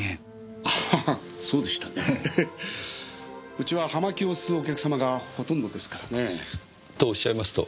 うちは葉巻を吸うお客様がほとんどですからね。とおっしゃいますと？